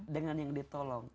dengan yang ditolong